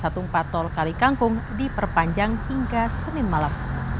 satu empat tol kalikangkung diperpanjang hingga senin malam